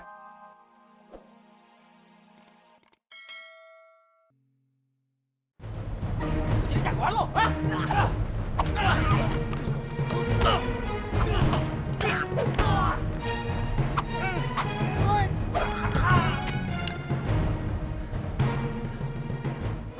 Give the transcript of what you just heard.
lu jadi jagoan lu